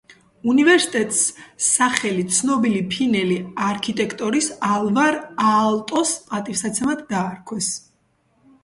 უნივერსიტეტს სახელი ცნობილი ფინელი არქიტექტორის ალვარ აალტოს პატივსაცემად დაარქვეს.